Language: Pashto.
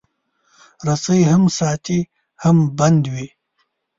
رسۍ هم ساتي، هم بندوي.